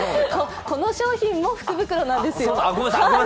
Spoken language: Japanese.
この商品も福袋なんですよ。